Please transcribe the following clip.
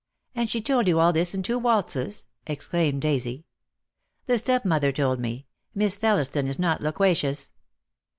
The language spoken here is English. "And she told you all this in two waltzes," ex claimed Daisy. "The stepmother told me. Miss Thelliston is not loquacious."